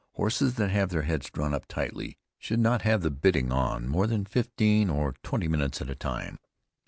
Horses that have their heads drawn up tightly should not have the bitting on more than fifteen or twenty minutes at a time.